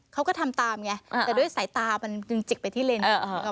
เขาก็ทำตามไงแต่ด้วยสายตามันจึงจิกไปที่เลน